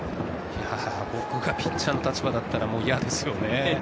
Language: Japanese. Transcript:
僕はピッチャーの立場だったら嫌ですよね。